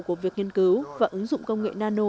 của việc nghiên cứu và ứng dụng công nghệ nano